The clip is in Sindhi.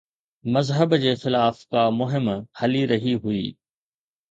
مذهب جي خلاف ڪا مهم هلي رهي هئي؟